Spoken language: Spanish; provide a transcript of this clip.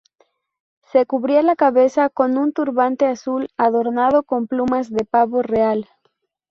Se cubría la cabeza con un turbante azul, adornado con plumas de pavo real.